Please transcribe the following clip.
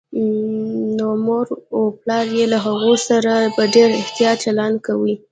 نو مور و پلار يې له هغوی سره په ډېر احتياط چلند کوي